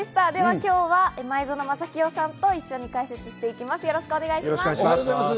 今日は前園真聖さんと一緒に解説していきます、よろしくお願いします。